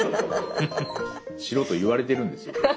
しろと言われてるんですよ。